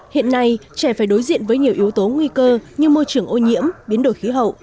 hiện nay trẻ phải đối diện với nhiều yếu tố nguy cơ như môi trường ô nhiễm biến đổi khí hậu